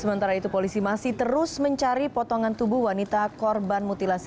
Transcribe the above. sementara itu polisi masih terus mencari potongan tubuh wanita korban mutilasi